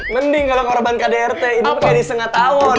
mending kalau korban kdrt hidup jadi setengah tahun